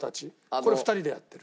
これ２人でやってる。